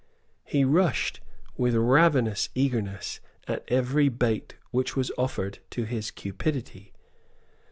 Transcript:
He rushed with ravenous eagerness at every bait which was offered to his cupidity.